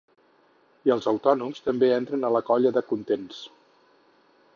I els autònoms també entren a la colla de ‘contents’.